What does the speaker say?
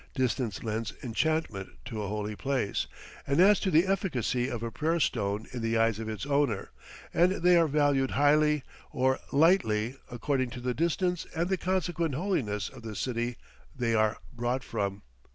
Distance lends enchantment to a holy place, and adds to the efficacy of a prayer stone in the eyes of its owner, and they are valued highly or lightly according to the distance and the consequent holiness of the city they are brought from.